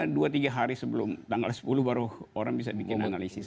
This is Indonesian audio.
dua tiga hari sebelum tanggal sepuluh baru orang bisa bikin analisis